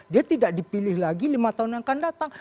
dia tidak dipilih lagi lima tahun yang akan datang